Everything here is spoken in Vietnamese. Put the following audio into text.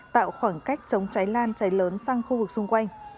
tạo khoảng cách chống cháy lan cháy lớn sang khu vực xung quanh